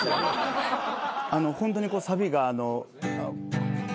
ホントにサビが。